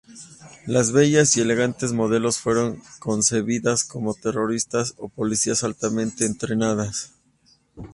Las bellas y elegantes modelos fueron concebidas como terroristas o policías altamente entrenadas.